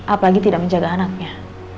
apalagi tidak menjaga anaknya